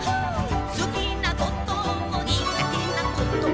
「すきなこともにがてなことも」